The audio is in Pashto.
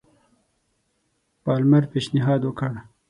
پالمر پېشنهاد وکړ.